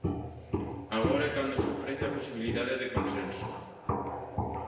Agora é cando se ofrece a posibilidade de consenso.